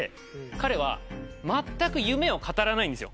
彼はまったく夢を語らないんです。